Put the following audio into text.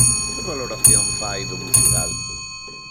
Que valoración fai do Musigal?